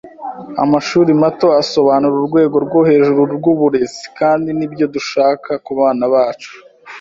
Amashuri mato asobanura urwego rwohejuru rwuburezi, kandi nibyo dushaka kubana bacu.